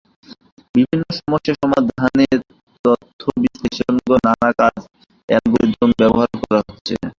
বিভিন্ন সমস্যা সমাধানে তথ্য বিশ্লেষণসহ নানা কাজে অ্যালগরিদম ব্যবহার করা হচ্ছে।